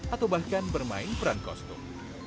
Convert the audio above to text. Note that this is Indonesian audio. atau bahkan bermain peran kostum